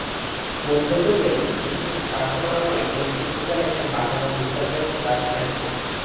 মধ্যযুগে মুসলিম শাসন আমলে বেশ কিছুকাল এখানে বাংলার সুলতানদের রাজধানী ছিল।